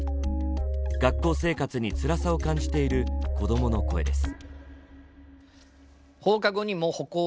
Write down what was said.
学校生活につらさを感じている子供の声です。